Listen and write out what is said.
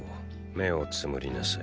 目を瞑りなさい。